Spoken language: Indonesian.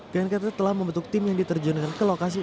knkt telah membentuk tim yang diterjunkan ke lokasi